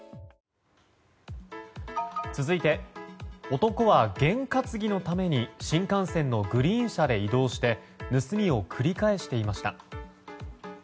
続いて男は験担ぎのために新幹線のグリーン車で移動して盗みを繰り返していました。